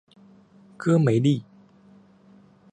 戈梅利。